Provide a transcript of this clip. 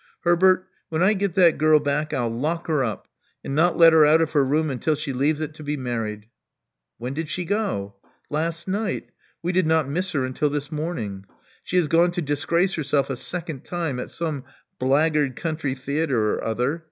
Herbert: when I get that girl back, 1*11 lock her up, and not let her out of her room until she leaves it to be married." When did she go? '*Last night. We did not miss her until this morn ing. She has gone to disgrace herself a second time at some blackguard country theatre or other.